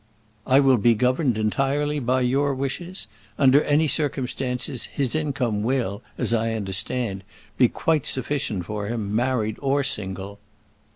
"I will be governed entirely by your wishes: under any circumstances his income will, as I understand, be quite sufficient for him, married or single."